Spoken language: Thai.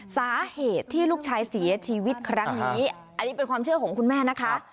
สาเหตุที่ลูกชายเสียชีวิตครั้งนี้อันนี้เป็นความเชื่อของคุณแม่นะคะ